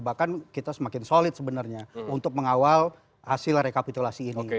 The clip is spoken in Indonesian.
bahkan kita semakin solid sebenarnya untuk mengawal hasil rekapitulasi ini